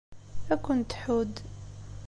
Ad kent-tḥudd.